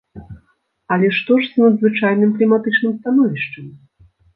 Але што ж з надзвычайным кліматычным становішчам?